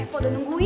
revo udah nungguin